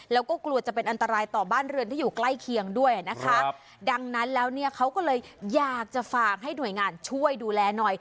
แล้วก็กลัวจะเป็นอันตรายต่อบ้านเรือนที่อยู่ใกล้เคียงด้วยนะคะดังนั้นแล้วเนี่ยเขาก็เลยอยากจะฝากให้หน่วยงานช่วยดูแลหน่อย